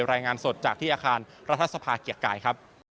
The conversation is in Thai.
รายงานสดจากที่อาคารรัฐสภาเกียรติกายครับ